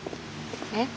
えっ？